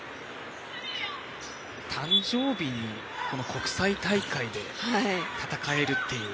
誕生日に国際大会で戦えるっていう。